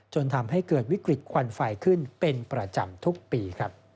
จนทำให้เกิดวิกฤตควันไฟขึ้นเป็นประจำทุกปี